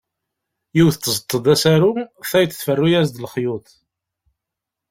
Yiwet tẓeṭṭ-d asaru, tayeḍ tferru-as-d lexyuḍ.